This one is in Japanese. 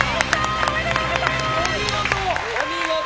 おめでとうございます！